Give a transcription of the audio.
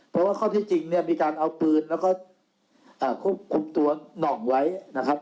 เพราะว่าข้อที่จริงเนี่ยมีการเอาปืนแล้วก็ควบคุมตัวหน่องไว้นะครับ